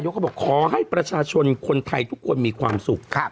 เขาบอกขอให้ประชาชนคนไทยทุกคนมีความสุข